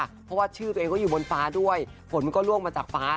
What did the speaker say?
เพราะว่าชื่อตัวเองก็อยู่บนฟ้าด้วยฝนมันก็ล่วงมาจากฟ้า